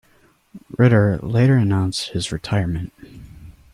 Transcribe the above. Ritter later announced his retirement.